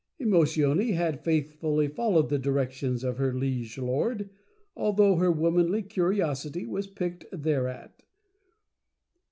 Emotione had faithfully followed the directions of her liege lord, although her womanly curiosity was piqued thereat.